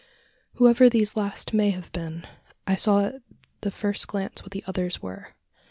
Whoever these last may have been, I saw at the first glance what the others were.